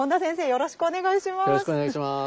よろしくお願いします。